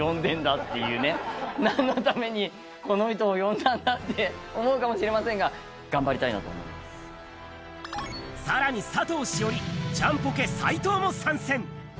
っていうね、なんのために、この人を呼んだんだって思うかもしれませんが、頑張りたいなと思さらに佐藤栞里、ジャンポケ・斉藤も参戦。